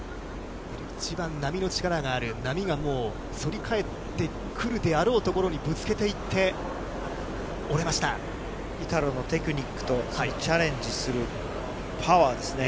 一番波の力がある波がもう反り返って、くるであろう所にぶつイタロのテクニックとチャレンジするパワーですね。